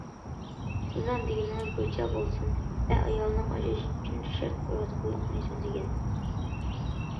« سىزنىڭ دېگىنىڭىز بويىچە بولسۇن.» ۋە ئايالىنىڭ ئاجرىشىش ئۈچۈن شەرت قويۇۋاتقانلىقىنى سۆزلىگەن.